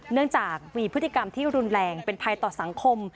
เนื่องจากมีพฤติกรรมที่รุนแรงเป็นภัยต่อสังคม